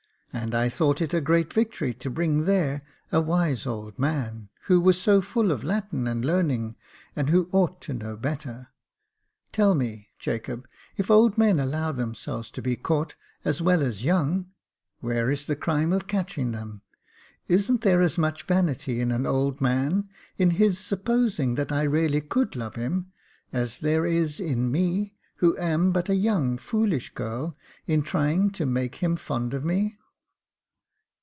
And I thought it a great victory to bring there a wise old man, who was so full of Latin and learning, and who ought to know better. Tell me, Jacob, if old men allow themselves to be caught, as well as young, where is the crime of catching them ? Isn't there as much vanity in an old man, in his supposing that I really could love him, as there is in me, who am but a young foolish girl, in trying to make him fond of me